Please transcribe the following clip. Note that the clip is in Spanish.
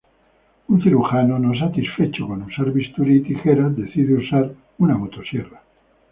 Un cirujano, no satisfecho con usar bisturí y tijeras, decide usar una motosierra.